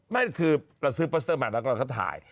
ไม่คือเราซื้อปัสเตอร์มาแล้วเราก็ถ่าย